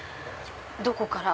どこから？